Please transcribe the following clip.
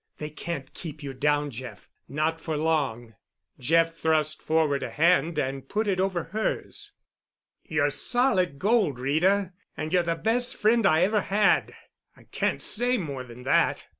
They can't keep you down, Jeff—not for long." Jeff thrust forth a hand and put it over hers. "You're solid gold, Rita, and you're the best friend I ever had. I can't say more than that."